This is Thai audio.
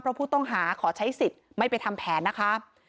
เพราะผู้ต้องหาขอใช้สิทธิ์ไม่ไปทำแผนนะคะ